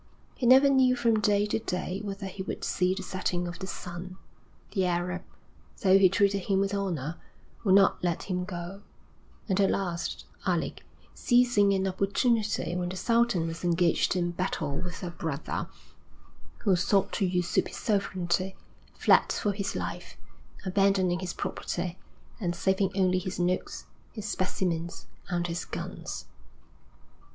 He never knew from day to day whether he would see the setting of the sun. The Arab, though he treated him with honour, would not let him go; and, at last, Alec, seizing an opportunity when the sultan was engaged in battle with a brother who sought to usurp his sovereignty, fled for his life, abandoning his property, and saving only his notes, his specimens, and his guns.